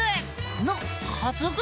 のはずが。